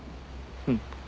うん。